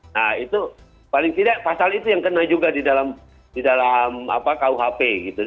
nah itu paling tidak pasal itu yang kena juga di dalam kuhp gitu